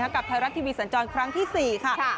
กับไทยรัฐทีวีสันจรครั้งที่๔ค่ะ